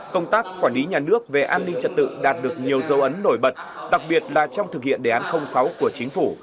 công tác quản lý nhà nước về an ninh trật tự đạt được nhiều dấu ấn nổi bật đặc biệt là trong thực hiện đề án sáu của chính phủ